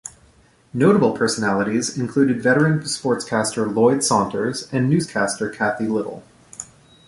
Notable personalities included veteran sportscaster Lloyd Saunders and newscaster Cathy Little.